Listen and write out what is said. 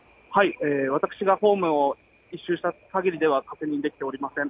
私がホームを一周したかぎりでは確認できておりません。